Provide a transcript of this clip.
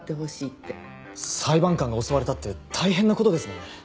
裁判官が襲われたって大変な事ですもんね。